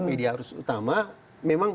media harus utama memang